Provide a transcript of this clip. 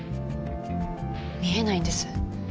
見えないんです